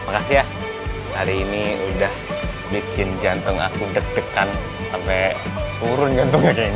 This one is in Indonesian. makasih ya hari ini udah bikin jantung aku deg degan sampai turun jantung kayaknya